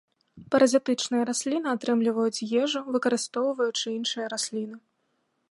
Паразітычныя расліны атрымліваюць ежу, выкарыстоўваючы іншыя расліны.